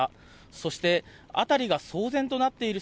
そして辺りが騒然となっている